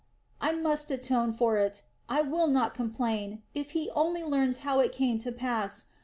I must atone for it; I will not complain, if he only learns how it came to pass.